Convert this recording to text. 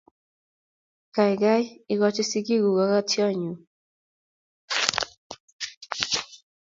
Gaigai, igochi sigiiguk kogotyonyu